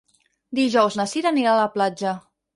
Dijous na Cira anirà a la platja.